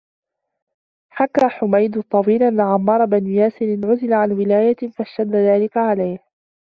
حَكَى حُمَيْدٌ الطَّوِيلُ أَنَّ عَمَّارَ بْنَ يَاسِرٍ عُزِلَ عَنْ وِلَايَةٍ فَاشْتَدَّ ذَلِكَ عَلَيْهِ